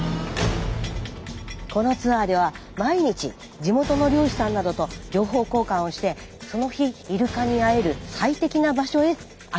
このツアーでは毎日地元の漁師さんなどと情報交換をしてその日イルカに会える最適な場所へ案内してくれるそうなんです。